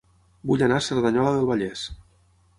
Vull anar a Cerdanyola del Vallès